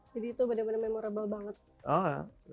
jadi itu pada mana memorable banget